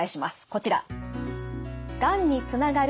こちら。